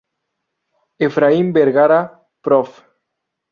Efraín Vergara, Prof.